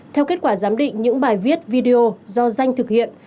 theo kết quả giám định những bài viết video do danh thực hiện